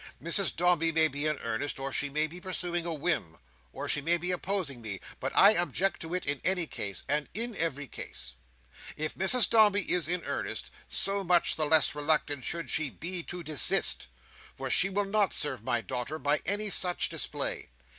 Mrs Dombey may be in earnest, or she may be pursuing a whim, or she may be opposing me; but I object to it in any case, and in every case. If Mrs Dombey is in earnest, so much the less reluctant should she be to desist; for she will not serve my daughter by any such display.